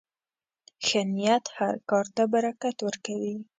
ښه نیت هر کار ته برکت ورکوي.